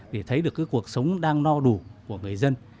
để thấy được cái cuộc sống đang no đủ của người dân